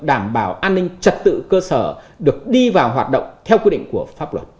đảm bảo an ninh trật tự cơ sở được đi vào hoạt động theo quy định của pháp luật